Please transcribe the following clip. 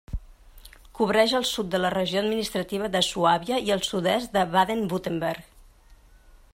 Cobreix el sud de la regió administrativa de Suàbia i el sud-est de Baden-Württemberg.